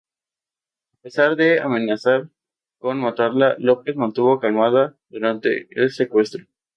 A pesar de amenazar con matarla, López se mantuvo calmada durante el secuestro.